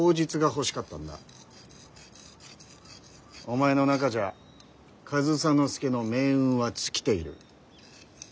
お前の中じゃ上総介の命運は尽きている。